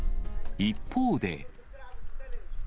一方で。